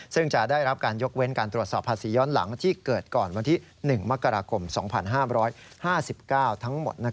ซึ่งจะได้รับการยกเว้นการตรวจสอบภาษีย้อนหลังที่เกิดก่อนวันที่๑มกราคม๒๕๕๙ทั้งหมด